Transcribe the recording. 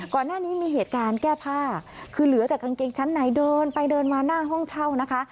ก่อนหน้านี้มีเหตุการณ์แก้ผ้าคือเหลือแต่กางเกงชั้นในเดินไปเดินมาหน้าห้องเช่านะคะ